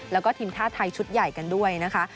แล้วก็ทีมชาติไทยชุดใหญ่กันด้วยนะคะ